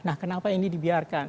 nah kenapa ini dibiarkan